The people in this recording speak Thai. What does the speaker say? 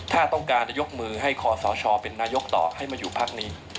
ถ้าต้องการจะยกมือให้คอสชเป็นนายกต่อให้มาอยู่พักนี้